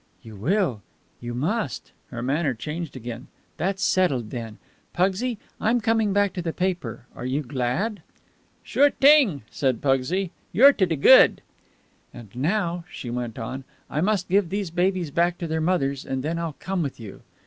"You will. You must." Her manner changed again. "That's settled, then. Pugsy, I'm coming back to the paper. Are you glad?" "Sure t'ing," said Pugsy. "You're to de good." "And now," she went on, "I must give these babies back to their mothers, and then I'll come with you."